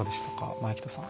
前北さん。